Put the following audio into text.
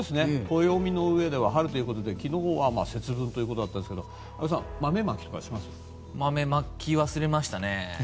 暦のうえでは春ということで昨日は節分ということだったんですが豆まき忘れましたね。